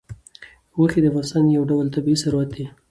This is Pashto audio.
غوښې د افغانستان یو ډول طبعي ثروت دی.